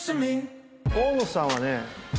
大野さんはね